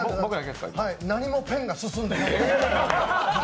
何もペンが進んでないです